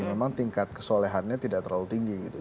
memang tingkat kesolehannya tidak terlalu tinggi gitu